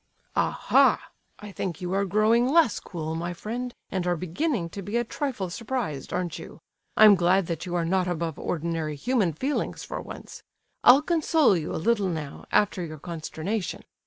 "Aha! I think you are growing less cool, my friend, and are beginning to be a trifle surprised, aren't you? I'm glad that you are not above ordinary human feelings, for once. I'll console you a little now, after your consternation.